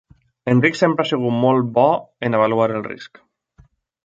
Enric sempre ha sigut molt bo en avaluar el risc.